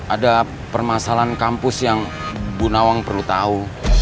ada permasalahan kampus yang bu nawang perlu tahu